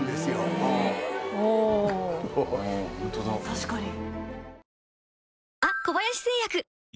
確かに。